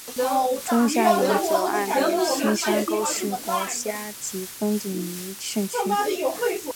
中下游左岸的青山沟是国家级风景名胜区。